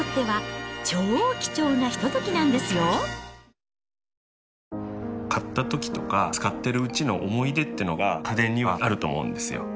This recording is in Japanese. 実は、買ったときとか使ってるうちの思い出ってのが家電にはあると思うんですよ。